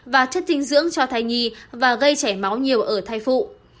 và chất dinh dưỡng cho thai nhi và gây chảy máu nhiều ở thai phụ